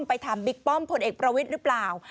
ถามบิ๊กป้อมพลเอกประวิทย์หรือเปล่า